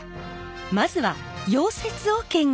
まずは溶接を見学！